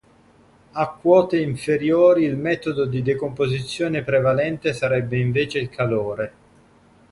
A quote inferiori il metodo di decomposizione prevalente sarebbe invece il calore.